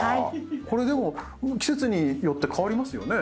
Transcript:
これでも季節によって変わりますよね？